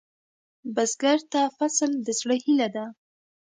بزګر ته فصل د زړۀ هيله ده